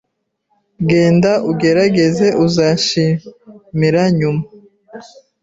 Genda ugerageze uzashimira nyuma